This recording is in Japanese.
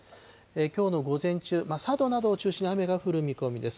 きょうの午前中、佐渡などを中心に雨が降る見込みです。